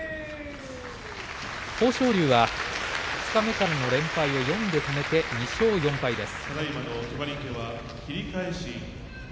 豊昇龍は二日目からの連敗を４で止めて２勝４敗です。